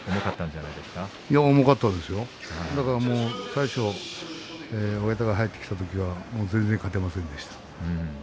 だから最初、親方が入ってきたときは全然勝てませんでした。